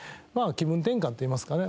気分転換っていいますかね